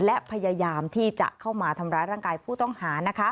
และพยายามที่จะเข้ามาทำร้ายร่างกายผู้ต้องหา